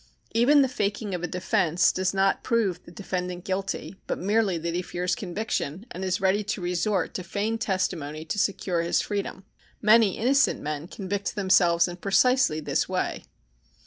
Even the "faking" of a defence does not prove the defendant guilty, but merely that he fears conviction, and is ready to resort to feigned testimony to secure his freedom. Many innocent men convict themselves in precisely this way.